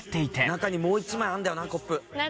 中にもう１枚あるんだよなコップ。